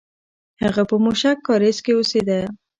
هغه په موشک کارېز کې اوسېده.